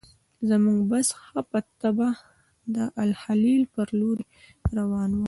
زموږ بس ښه په طبعه د الخلیل پر لوري روان و.